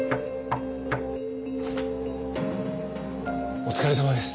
お疲れさまです。